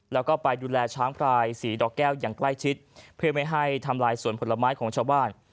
แล้วก็ไปดูแลช้างพลายสีดอกแก้วอย่างใกล้ชิดเพื่อไม่ให้ทำลายสวนผลไม้ของชาวบ้าน